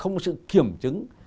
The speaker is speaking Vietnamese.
không có sự kiểm chứng